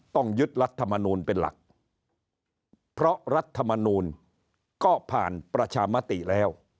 ต้องยึดรัฐมนูลเป็นหลักเพราะรัฐมนูลก็ผ่านประชามติแล้ว